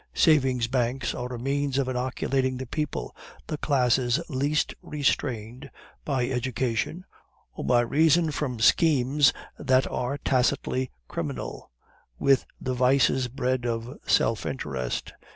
Savings banks are a means of inoculating the people, the classes least restrained by education or by reason from schemes that are tacitly criminal, with the vices bred of self interest.